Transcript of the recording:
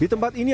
di tempat ini